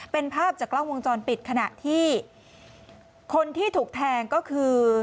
เป็นภาพจากกล้องวงจรปิดขณะที่คนที่ถูกแทงก็คือ